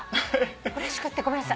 うれしくってごめんなさい。